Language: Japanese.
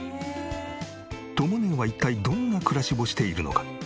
とも姉は一体どんな暮らしをしているのか。